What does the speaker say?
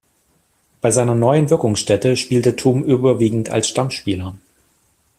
Bei seiner neuen Wirkungsstätte spielte Tum überwiegend als Stammspieler.